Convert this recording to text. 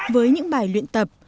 với những bài luyện tập